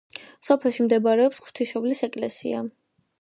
სოფელში მდებარეობს ღვთისმშობლის ეკლესია.